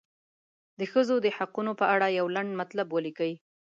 د ښځو د حقونو په اړه یو لنډ مطلب ولیکئ.